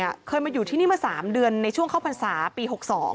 ที่เป็นข่าวเคยมาอยู่ที่นี่เมื่อ๓เดือนในช่วงเข้าพรรษาปี๖๒